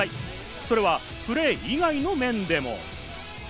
それはプレー以外の面でも。